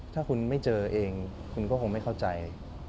ถ้าคุณไม่เจอเองคุณก็คงไม่เข้าใจ